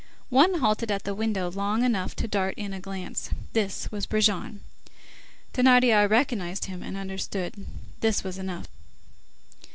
One halted at the window, long enough to dart in a glance. This was Brujon. Thénardier recognized him, and understood. This was enough.